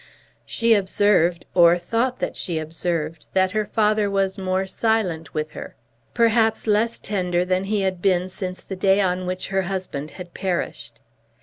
She observed, or thought that she observed, that her father was more silent with her, perhaps less tender than he had been since the day on which her husband had perished.